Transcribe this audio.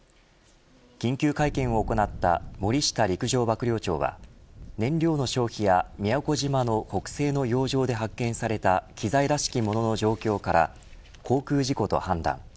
緊急会見を行った森下陸上幕僚長は燃料の消費や宮古島の北西の洋上で発見された機材らしきものの状況から航空事故と判断。